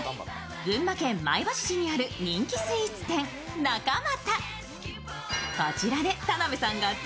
群馬県前橋市にある人気スイーツ店、なか又。